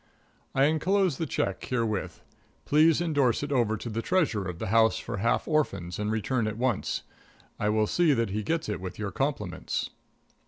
I inclose the check herewith. Please indorse it over to the treasurer of The Home for Half Orphans and return at once. I will see that he gets it with your compliments.